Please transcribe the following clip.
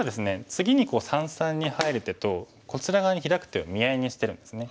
次に三々に入る手とこちら側にヒラく手を見合いにしてるんですね。